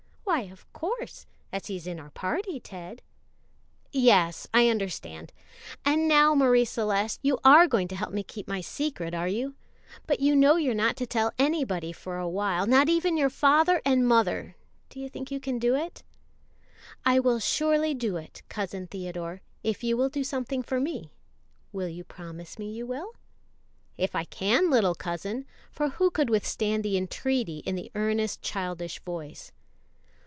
"Why, of course, as he's in our party, Ted." "Yes, I understand; and now, Marie Celeste, you are going to help me keep my secret, are you? But you know you're not to tell anybody for a while, not even your father and mother; do you think you can do it?" "I will surely do it, Cousin Theodore, if you will do something for me; will you promise me you will?" "If I can, little cousin;" for who could withstand the entreaty in the earnest childish voice?